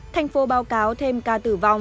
thành phố báo cáo thêm ca tử vong